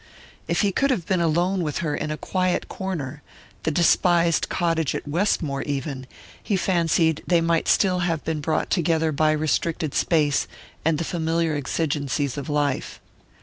If he could have been alone with her in a quiet corner the despised cottage at Westmore, even! he fancied they might still have been brought together by restricted space and the familiar exigencies of life.